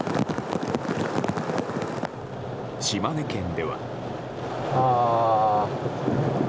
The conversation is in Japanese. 島根県では。